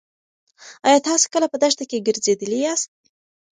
ایا تاسې کله په دښته کې ګرځېدلي یاست؟